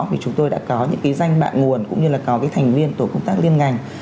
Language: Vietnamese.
vì chúng tôi đã có những cái danh bạc nguồn cũng như là có cái thành viên tổ công tác liên ngành